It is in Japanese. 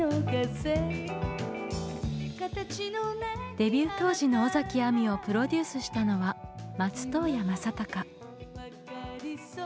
デビュー当時の尾崎亜美をプロデュースしたのは松任谷正隆。